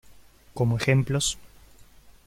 Como ejemplos